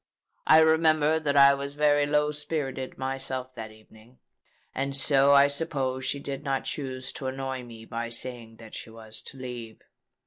I remember that I was very low spirited myself that evening; and so I suppose she did not choose to annoy me by saying that she was to leave.